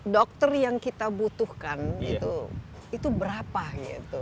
dokter yang kita butuhkan itu berapa gitu